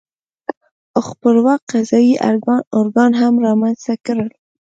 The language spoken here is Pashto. خپلواک قضايي ارګان هم رامنځته کړل.